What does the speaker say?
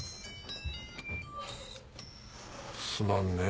すまんね